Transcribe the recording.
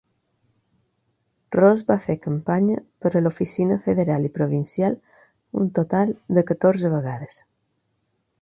Ross va fer campanya per a l'oficina federal i provincial un total de catorze vegades.